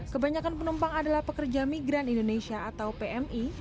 kebanyakan penumpang adalah pekerja migran indonesia atau pmi